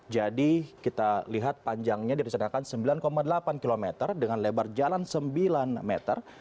jadi kita lihat panjangnya dirisakan sembilan delapan km dengan lebar jalan sembilan meter